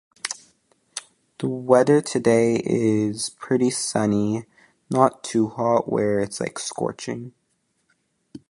The weather today is pretty sunny, not too hot where it's, like, scorching.